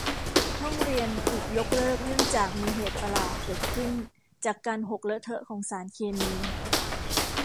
ห้องเรียนถูกยกเลิกเนื่องจากมีเหตุประหลาดเกิดขึ้นจากการหกเลอะเทอะของสารเคมี